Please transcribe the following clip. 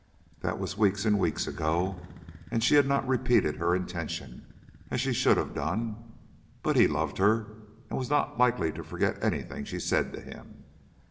That was weeks and weeks ago, and she had not repeated her intention, as she should have done. But he loved her, and was not likely to forget anything she said to him.